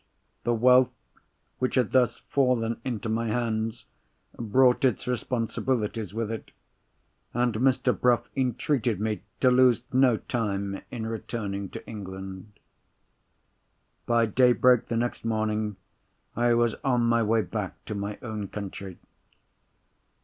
The wealth which had thus fallen into my hands brought its responsibilities with it, and Mr. Bruff entreated me to lose no time in returning to England. By daybreak the next morning, I was on my way back to my own country.